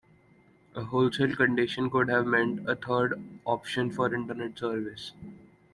A wholesale condition could have meant a third option for internet service.